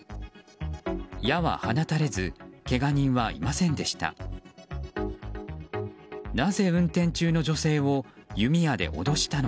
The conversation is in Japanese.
矢は放たれずけが人はいませんでした。